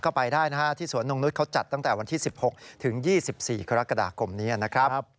ก็ไปได้นะฮะที่สวนนงนุษย์เขาจัดตั้งแต่วันที่๑๖ถึง๒๔กรกฎาคมนี้นะครับ